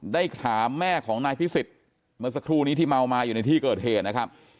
ได้ถามแม่ของนายพิสิทธิ์เมื่อสักครู่นี้ที่เมามาอยู่ในที่เกิดเหตุนะครับ